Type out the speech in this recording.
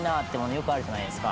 よくあるじゃないですか。